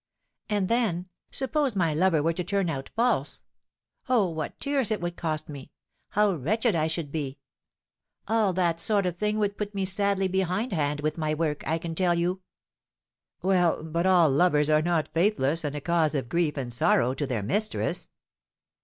And then, suppose my lover were to turn out false! Oh, what tears it would cost me; how wretched I should be! All that sort of thing would put me sadly behindhand with my work, I can tell you." "Well, but all lovers are not faithless and a cause of grief and sorrow to their mistress."